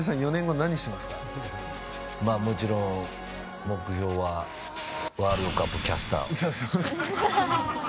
もちろん目標はワールドカップキャスターを。